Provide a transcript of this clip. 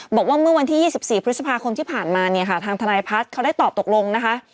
บอกว่าเมื่อวันที่๒๔พฤษภาคมที่ผ่านมาเนี่ยค่ะทางทนายพัฒน์เขาได้ตอบตกลงนะคะ